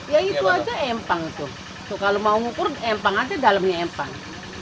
ya itu aja empang tuh kalau mau ngukur empang aja dalamnya empang